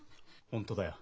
本当だよ。